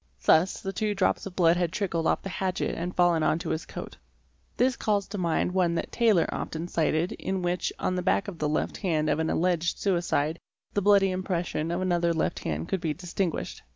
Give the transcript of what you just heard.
Thus, the two drops of blood had trickled off the hatchet and fallen on his coat. This case calls to mind one that Taylor often cited in which on the back of the left hand of an alleged suicide the bloody impression of another left hand could be distinguished.